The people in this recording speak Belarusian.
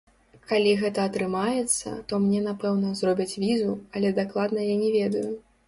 Калі гэта атрымаецца, то мне, напэўна, зробяць візу, але дакладна я не ведаю.